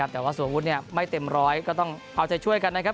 แต่ว่าส่วนวุฒิไม่เต็มร้อยก็ต้องเอาใจช่วยกันนะครับ